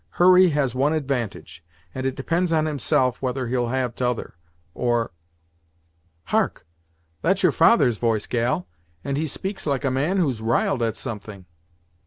Hurry has one advantage, and it depends on himself whether he'll have t'other or Hark! That's your father's voice, gal, and he speaks like a man who's riled at something."